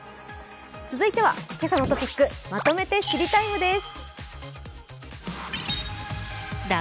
続いては「けさのトピックまとめて知りＴＩＭＥ，」です。